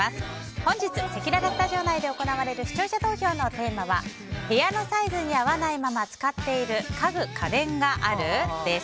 本日せきららスタジオ内で行われる視聴者投票のテーマは部屋のサイズに合わないまま使っている家具・家電がある？です。